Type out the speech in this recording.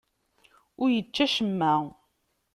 Ur yečči acemma.